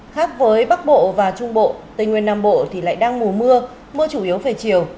khác với bắc bộ và trung bộ tây nguyên nam bộ thì lại đang mùa mưa mưa chủ yếu về chiều